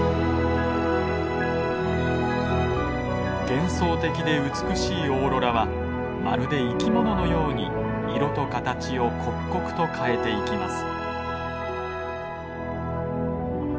幻想的で美しいオーロラはまるで生き物のように色と形を刻々と変えていきます。